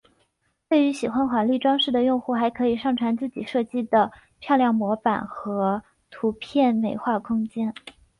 对于喜欢华丽装饰的用户还可以上传自己设计的漂亮模板和图片美化空间。